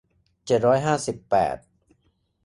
เจ็ดร้อยห้าสิบแปด